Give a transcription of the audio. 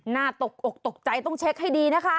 ตกอกตกใจต้องเช็คให้ดีนะคะ